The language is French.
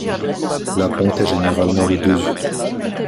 La ponte est généralement de deux œufs.